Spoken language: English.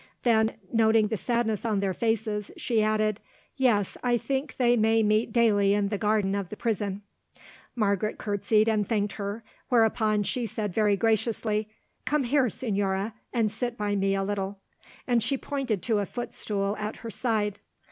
Then, noting the sadness on their faces, she added: "Yet I think they may meet daily in the garden of the prison." Margaret curtseyed and thanked her, whereon she said very graciously: "Come here, Señora, and sit by me a little," and she pointed to a footstool at her side.